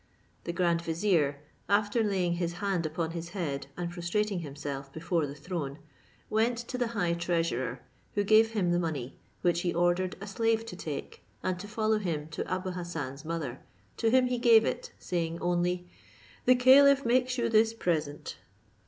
The grand vizier, after laying his hand upon his head, and prostrating himself before the throne, went to the high treasurer, who gave him the money, which he ordered a slave to take, and to follow him to Abou Hassan's mother, to whom he gave it, saying only, "The caliph makes you this present."